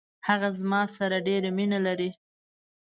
هغه زما سره ډیره مینه لري.